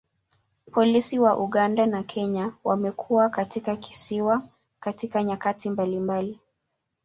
Polisi wa Uganda na Kenya wamekuwa katika kisiwa katika nyakati mbalimbali.